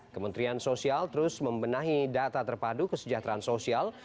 kementerian sosial terus membenahi data terpadu kesejahteraan sosial